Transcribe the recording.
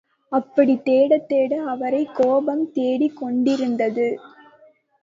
அப்படி தேடத்தேட அவரை கோபம் தேடிக் கொண்டிருந்தது.